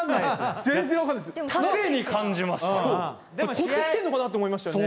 こっち来てんのかなと思いましたよね。